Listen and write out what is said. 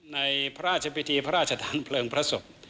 ในพระราชพิธีพระราชทานเพลิงพระศพ